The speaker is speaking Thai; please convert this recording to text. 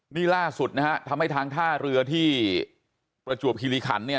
นี่ล่าสุดนะฮะทำให้ทางท่าเรือที่ประจวบคิริขันเนี่ย